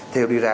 thêu đi ra